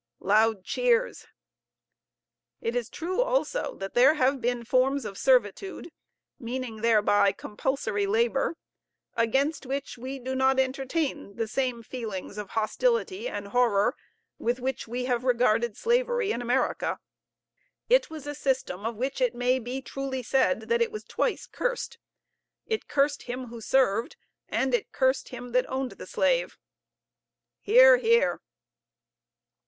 (Loud cheers.) It is true, also, that there have been forms of servitude, meaning thereby compulsory labor, against which we do not entertain the same feelings of hostility and horror with which we have regarded slavery in America. It was a system of which it may be truly said, that it was twice cursed. It cursed him who served, and it cursed him that owned the slave. (Hear, hear.)